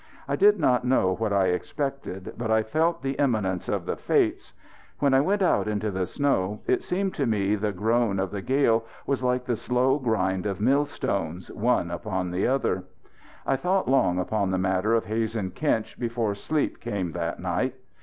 I did not know what I expected, but I felt the imminence of the fates. When I went out into the snow it seemed to me the groan of the gale was like the slow grind of millstones, one upon the other. I thought long upon the matter of Hazen Kinch before sleep came that night.